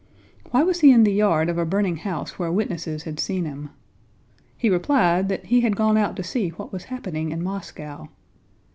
Why was he in the yard of a burning house where witnesses had seen him? He replied that he had gone out to see what was happening in Moscow.